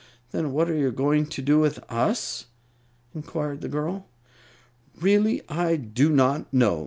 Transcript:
"Then what are you going to do with us?" inquired the girl. "Really, I do not know.